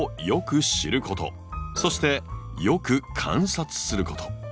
そしてよく観察すること。